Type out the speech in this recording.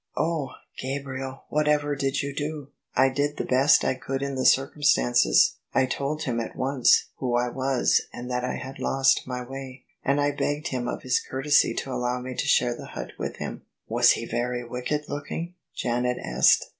"Oh! Gabriel, whatever did you do?" " I did the best I could in the circumstances: I told him at once who I was and that I had lost my way, and I begged him of his courtesy to allow me to share the hut with him." " Was he very wicked looking? " Janet asked.